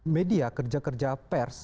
media kerja kerja pers